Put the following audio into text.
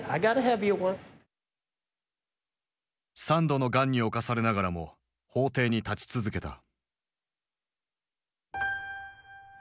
３度のがんに侵されながらも法廷に立ち続けた。